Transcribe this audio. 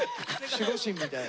守護神みたいな。